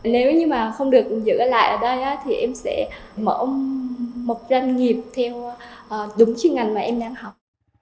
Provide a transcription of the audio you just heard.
nếu như mà không được giữ lại ở đây thì em sẽ mở một doanh nghiệp theo đúng chuyên ngành mà em đang học